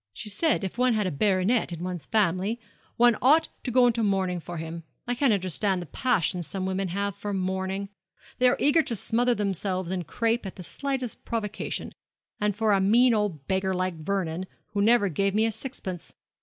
She said if one had a baronet in one's family one ought to go into mourning for him. I can't understand the passion some women have for mourning. They are eager to smother themselves in crape at the slightest provocation, and for a mean old beggar like Vernon, who never gave me a sixpence.